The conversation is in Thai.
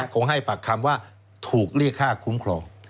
คงให้ปากคำว่าถูกเรียกค่าคุ้มครอง